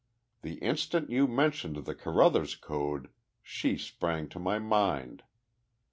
The instant you mentioned the Carruthers Code she sprang to my mind.